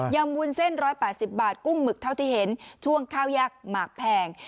ำวุ้นเส้น๑๘๐บาทกุ้งหมึกเท่าที่เห็นช่วงข้าวยักษ์หมากแพง